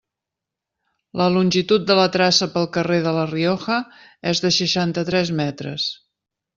La longitud de la traça pel carrer de La Rioja és de seixanta-tres metres.